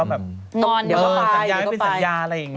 นี่อย่างเป็นสัญญาอะไรอย่างนี้